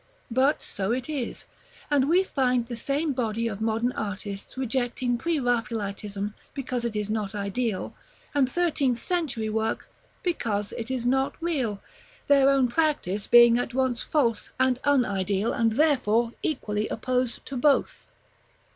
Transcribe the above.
But so it is; and we find the same body of modern artists rejecting Pre Raphaelitism because it is not ideal! and thirteenth century work, because it is not real! their own practice being at once false and un ideal, and therefore equally opposed to both.